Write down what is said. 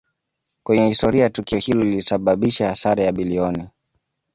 kwenye historia Tukio hilo lilisababisha hasara ya bilioni